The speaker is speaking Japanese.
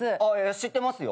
知ってますよ。